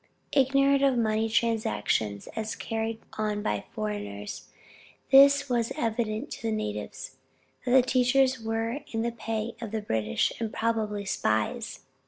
Ignorant of money transactions as carried on by foreigners, this was an evidence to the natives, that the teachers were in the pay of the British, and probably spies.